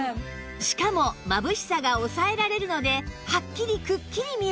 しかもまぶしさが抑えられるのではっきりくっきり見えます